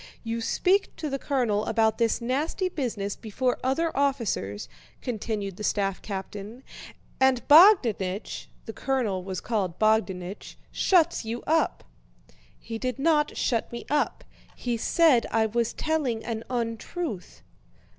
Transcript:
"You speak to the colonel about this nasty business before other officers," continued the staff captain, "and Bogdánich" (the colonel was called Bogdánich) "shuts you up." "He did not shut me up, he said I was telling an untruth."